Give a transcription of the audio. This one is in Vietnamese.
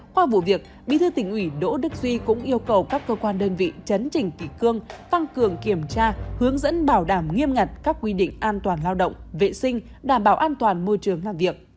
qua vụ việc bí thư tỉnh ủy đỗ đức duy cũng yêu cầu các cơ quan đơn vị chấn chỉnh kỷ cương tăng cường kiểm tra hướng dẫn bảo đảm nghiêm ngặt các quy định an toàn lao động vệ sinh đảm bảo an toàn môi trường làm việc